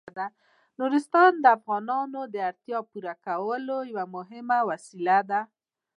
نورستان د افغانانو د اړتیاوو د پوره کولو یوه مهمه وسیله ده.